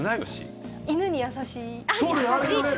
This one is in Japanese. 犬に優しい。